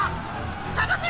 捜せ！